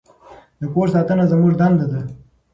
د کور ساتنه زموږ دنده ده.